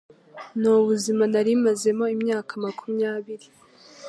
Ni ubuzima nari mazemo imyaka makumyabiri